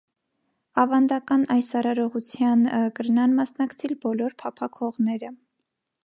Աւանդական այս արարողութեան կրնան մասնակցիլ բոլոր փափաքողները։